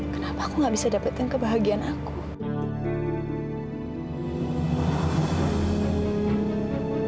kenapa aku nggak bisa nentuin nasib aku sendiri ya